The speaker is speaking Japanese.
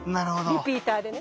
リピーターでね。